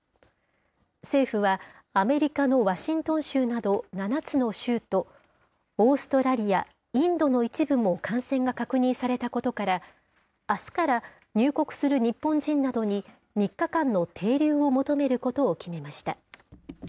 政府は、アメリカのワシントン州など７つの州と、オーストラリア、インドの一部も感染が確認されたことから、あすから、入国する日本人などに３日間の停留を求めることを決めました。